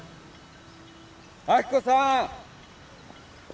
亜希子さん！